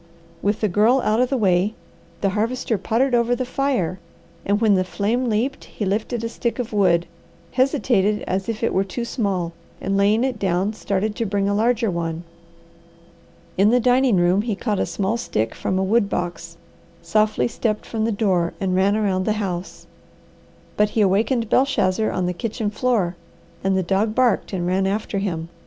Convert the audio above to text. With the Girl out of the way, the Harvester pottered over the fire, and when the flame leaped he lifted a stick of wood, hesitated as if it were too small, and laying it down, started to bring a larger one. In the dining room he caught a small stick from the wood box, softly stepped from the door, and ran around the house. But he awakened Belshazzar on the kitchen floor, and the dog barked and ran after him.